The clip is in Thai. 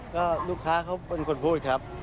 ก็ลูกค้าเขาเป็นคนพูดครับ